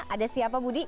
ada siapa budi